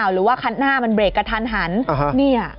หรือว่าคันหน้ามันเบรกกระทันหัน